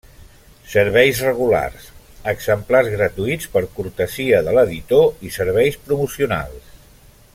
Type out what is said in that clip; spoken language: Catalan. Serveis regulars: exemplars gratuïts per cortesia de l'editor i serveis promocionals.